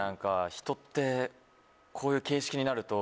人ってこういう形式になると。